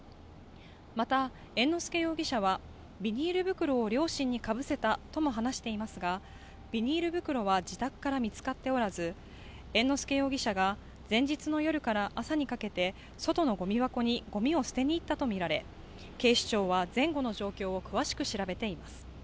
また、猿之助容疑者はビニール袋を両親にかぶせたとも話していますが、ビニール袋は自宅から見つかっておらず猿之助容疑者が前日の夜から朝にかけて外のごみ箱にごみを捨てに行ったとみられ、警視庁は前後の状況を詳しく調べています。